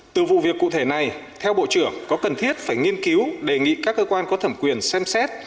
từ vụ việc cụ thể này theo bộ trưởng có cần thiết phải nghiên cứu đề nghị các cơ quan có thẩm quyền xem xét